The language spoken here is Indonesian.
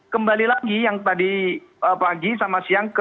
kembali lagi yang tadi pagi sama siang